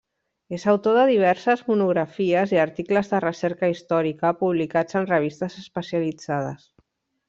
És autor de diverses monografies i articles de recerca històrica publicats en revistes especialitzades.